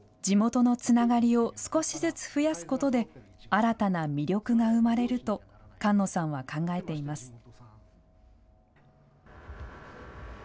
地元のつながりを少しずつ増やすことで、新たな魅力が生まれると菅野さんは考えています。